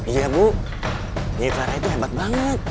iya bu nyai fera itu hebat banget